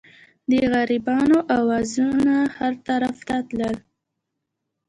د غریبانو اوازونه هر طرف ته تلل.